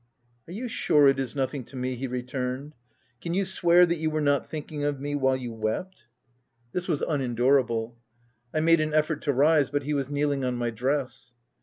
" Are you sure it is nothing to me ?" he returned, " can you swear that you were not thinking of me while you wept ?" 352 THE TENANT This was unendurable. I made an effort to rise, but he was kneeling on my dress.